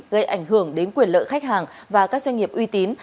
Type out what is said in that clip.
gây ảnh hưởng đến quyền lợi khách hàng và các doanh nghiệp uy tín